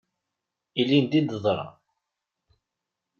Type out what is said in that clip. Ilindi i d-teḍra.